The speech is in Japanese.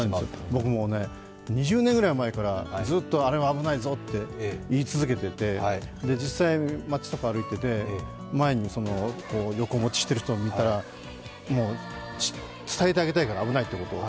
僕も２０年くらい前からずっと、あれは危ないぞって言い続けてて実際、町とか歩いてて前に横持ちしてる人を見たらもう、伝えてあげたいから、危ないということを。